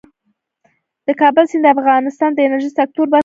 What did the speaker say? د کابل سیند د افغانستان د انرژۍ سکتور برخه ده.